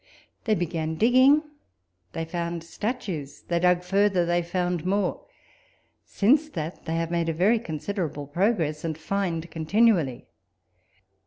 They began digging, they found statues : they dug further, they found more. Since that they have made a very considerable progress, and find continually.